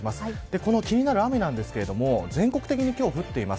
この気になる雨なんですが全国的に、今日は降っています。